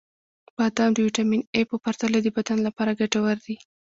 • بادام د ویټامین ای په پرتله د بدن لپاره ګټور دي.